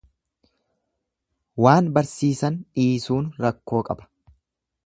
Waan barsiisan dhiisuun rakkoo qaba.